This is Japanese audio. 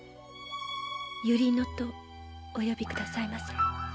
百合野とお呼びくださいませ。